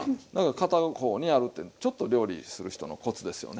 片方にあるってちょっと料理する人のコツですよね。